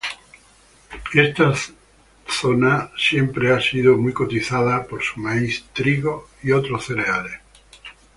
Esta zona ha sido siempre muy cotizada por su maíz, trigo y otros cereales.